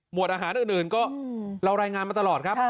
วดอาหารอื่นก็เรารายงานมาตลอดครับ